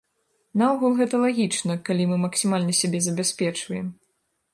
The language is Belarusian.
Наогул, гэта лагічна, калі мы максімальна сябе забяспечваем.